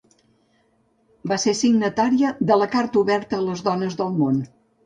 Va ser signatària de la Carta oberta a les dones del món.